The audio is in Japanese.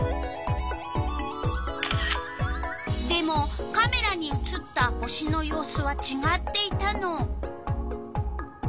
でもカメラに写った星の様子はちがっていたの。